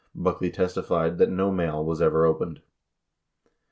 Buckley testified that no mail was ever opened.